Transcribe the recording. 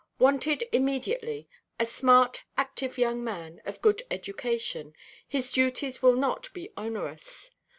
"Wanted immediately, a smart active young man, of good education. His duties will not be onerous.